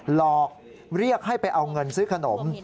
หลอกเรียกให้ไปเอาเงินซื้อขนม